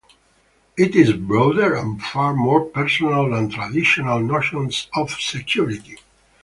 It is broader and far more personal than traditional notions of security.